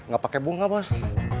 gak pake bunga bos